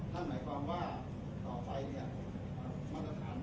ท่านหมายความว่าต่อไปเนี่ยมันจะถาม